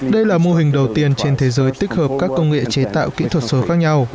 đây là mô hình đầu tiên trên thế giới tích hợp các công nghệ chế tạo kỹ thuật số khác nhau